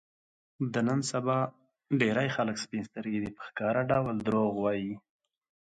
د نن سبا ډېری خلک سپین سترګي دي، په ښکاره ډول دروغ وايي.